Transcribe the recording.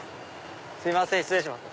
すいません失礼します。